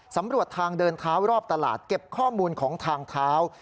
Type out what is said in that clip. สำรวจทางเดินเท้ารอบตลาดเก็บข้อมูลของทางเท้า